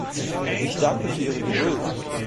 Ich danke für Ihre Geduld.